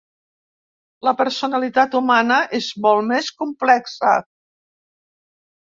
La personalitat humana és molt més complexa.